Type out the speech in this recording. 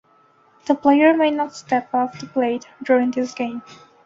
The player may not step off the plate during this game.